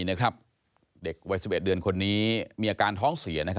เด็กวัย๑๑เดือนคนนี้มีอาการท้องเสีย